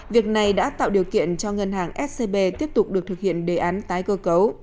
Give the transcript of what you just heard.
việc này đã tạo điều kiện cho ngân hàng scb tiếp tục được thực hiện đề án tái cơ cấu